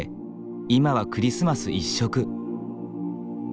今はクリスマス一色。